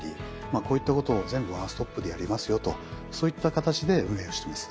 こういったことを全部ワンストップでやりますよとそういった形で運営をしてます。